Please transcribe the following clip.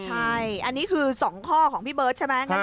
ใช่อันนี้คือ๒ข้อของพี่เบิร์ตใช่ไหม